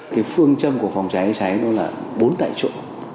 cái phương châm của phòng cháy cháy nó là bốn tại chỗ